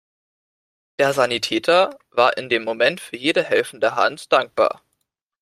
Der Sanitäter war in dem Moment für jede helfende Hand dankbar.